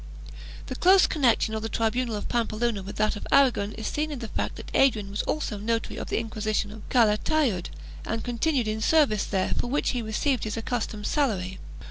The close connection of the tribunal of Pampeluna with that of Aragon is seen in the fact that Adrian was also notary of the Inquisition of Calatayud and continued in service there for which he received his accustomed salary.